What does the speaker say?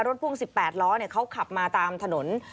พ่วง๑๘ล้อเขาขับมาตามถนน